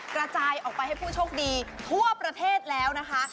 กระจายออกไปให้ผู้โชคดีทั่วประเทศแล้วนะคะ